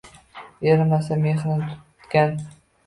Erinmasdan mexrini tutgan